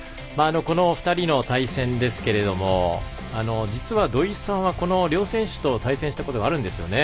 この２人の対戦ですけれども実は、土居さんはこの両選手と対戦したことがあるんですよね。